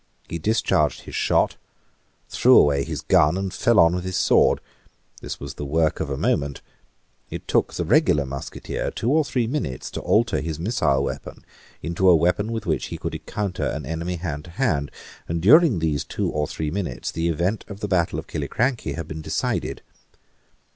He discharged his shot, threw away his gun, and fell on with his sword. This was the work of a moment. It took the regular musketeer two or three minutes to alter his missile weapon into a weapon with which he could encounter an enemy hand to hand; and during these two or three minutes the event of the battle of Killiecrankie had been decided.